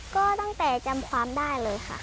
ก็ตั้งแต่จำความได้เลยค่ะ